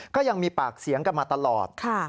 ก็ยังมีปากเสียงกันมาตลอด